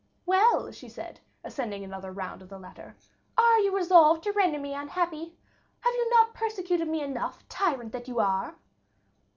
"Well," she said, ascending another round of the ladder, "are you resolved to render me unhappy? have you not persecuted me enough, tyrant that you are?"